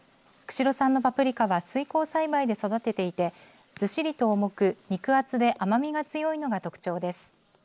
釧路産のパプリカは水耕栽培で育てていて、ずっしりと重く肉厚で甘みが強いのが特徴です。